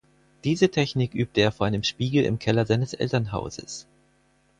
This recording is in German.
Diese Technik übte er vor einem Spiegel im Keller seines Elternhauses.